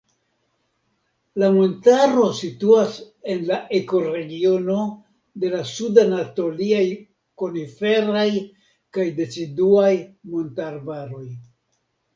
La montaro situas en la ekoregiono de la sud-anatoliaj koniferaj kaj deciduaj montarbaroj.